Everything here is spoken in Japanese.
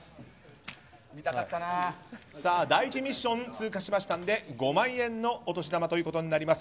第１ミッション通過しましたので５万円のお年玉となります。